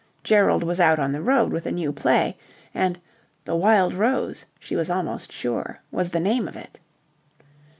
Gerald was out on the road with a new play, and "The Wild Rose," she was almost sure, was the name of it.